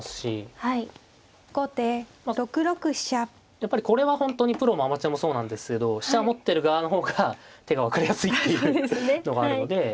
やっぱりこれは本当にプロもアマチュアもそうなんですけど飛車持ってる側の方が手が分かりやすいっていうのがあるので。